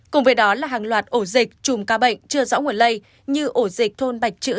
cùng với đó là hàng loạt ổ dịch chùm ca bệnh chưa rõ nguồn lây như ổ dịch thôn bạch chữ